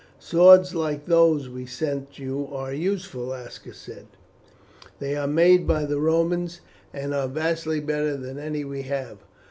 "Swords like those we sent you are useful," Aska said. "They are made by the Romans, and are vastly better than any we have.